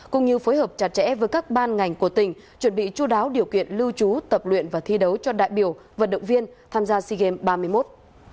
cũng như phối hợp chặt chẽ với các ban ngành của tỉnh chuẩn bị chú đáo điều kiện lưu trú tập luyện và thi đấu cho đại biểu vận động viên tham gia sea games ba mươi một